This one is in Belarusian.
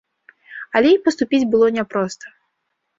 Але й паступіць было няпроста.